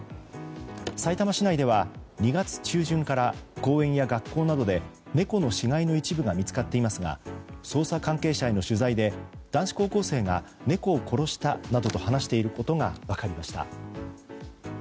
さいたま市内では２月中旬から公園や学校などで猫の死骸の一部が見つかっていますが捜査関係者への取材で男子高校生が猫を殺したなどと話していることが分かりました。